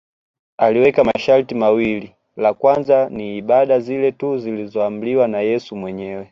Aliweka masharti mawili la kwanza ni ibada zile tu zilizoamriwa na Yesu mwenyewe